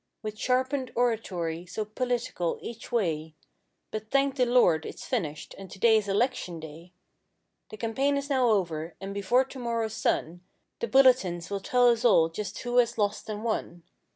With sharpened oratory, so political each way; But thank the Lord it's finished and today's election day! The campaign now is over, and before tomorrow's sun The bulletins will tell us all just who has lost and won.